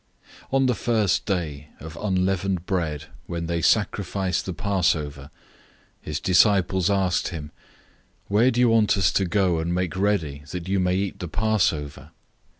014:012 On the first day of unleavened bread, when they sacrificed the Passover, his disciples asked him, "Where do you want us to go and make ready that you may eat the Passover?"